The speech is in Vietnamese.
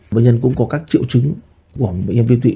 bệnh nhân cũng có các triệu chứng của bệnh nhân biến tụy